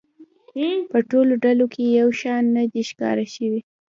په ټولو ډلو کې یو شان نه دی ښکاره شوی.